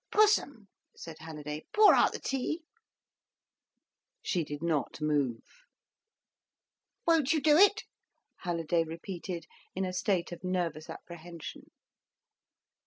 "Pussum," said Halliday, "pour out the tea." She did not move. "Won't you do it?" Halliday repeated, in a state of nervous apprehension.